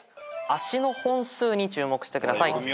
足の本数に注目してください。